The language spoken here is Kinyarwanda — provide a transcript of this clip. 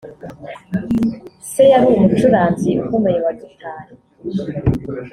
se yari umucuranzi ukomeye wa gitari